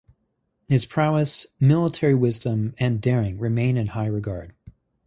His prowess, military wisdom, and daring remain in high regard.